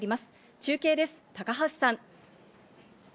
中継です、高橋さん。